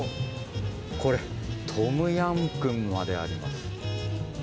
これトムヤムクンまであります。